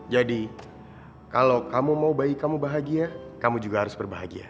jadi kalau kamu mau bayi kamu bahagia kamu juga harus berbahagia